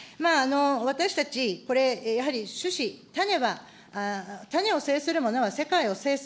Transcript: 私たち、これ、種子、種は、種を制するものは世界を制す。